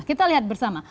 kita lihat bersama